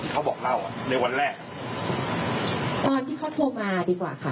เขาบอกเล่าอ่ะในวันแรกตอนที่เขาโทรมาดีกว่าค่ะ